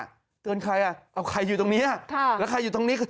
เตือนใครเอาใครอยู่ตรงนี้แล้วใครอยู่ตรงนี้